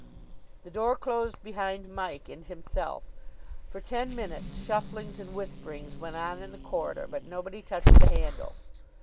The door closed behind Mike and himself. For ten minutes shufflings and whisperings went on in the corridor, but nobody touched the handle.